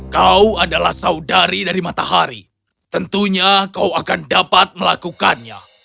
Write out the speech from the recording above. kau adalah saudari dari matahari tentunya kau akan dapat melakukannya